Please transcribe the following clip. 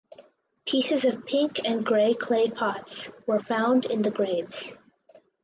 Pieces of pink and gray clay pots were found in the graves.